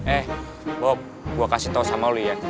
eh bob gue kasih tau sama lo ya